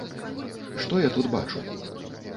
Што я тут бачу?